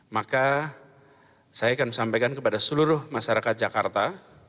maka saya akan sampaikan kepada seluruh masyarakat jakarta